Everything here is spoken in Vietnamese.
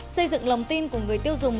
xây dựng lòng tin của người tiêu dùng